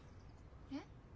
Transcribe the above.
えっ？